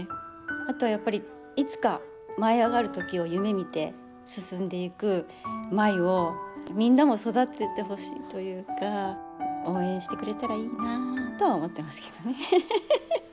あとはやっぱりいつか舞いあがる時を夢みて進んでいく舞をみんなも育ててほしいというか応援してくれたらいいなとは思ってますけどね。